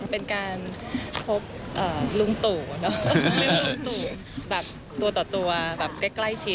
เป็นการพบลุงตู่ตัวต่อแบบใกล้ชิด